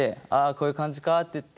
こういう感じかっていって。